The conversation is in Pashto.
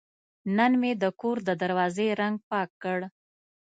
نن مې د کور د دروازې رنګ پاک کړ.